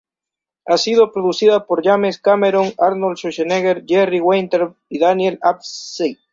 Ha sido producida por James Cameron, Arnold Schwarzenegger, Jerry Weintraub y Daniel Abbasi.